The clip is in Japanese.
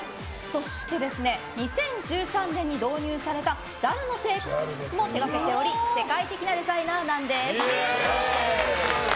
そして、２０１３年に導入されたＪＡＬの制服も手がけており世界的なデザイナーなんです。